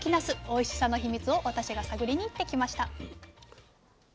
おいしさの秘密を私が探りに行ってきました。